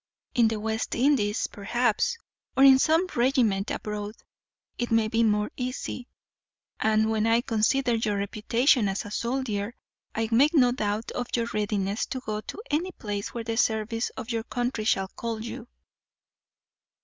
In the West Indies, perhaps, or in some regiment abroad, it may be more easy; and, when I consider your reputation as a soldier, I make no doubt of your readiness to go to any place where the service of your country shall call you."